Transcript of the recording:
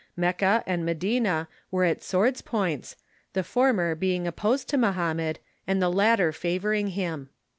Mecca and Medina were at swords' points, the former beino opposed to Mohammed, and the latter favoring him.